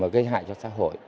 gây hại cho xã hội